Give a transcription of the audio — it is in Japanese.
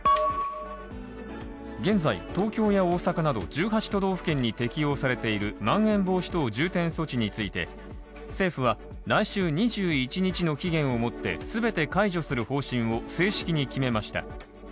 現在、東京や大阪など１８都道府県に適用されているまん延防止等重点措置について、政府は来週２１日の期限をもって全て解除する方針を正式に決めました。